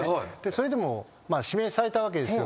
それでも指名されたわけですよ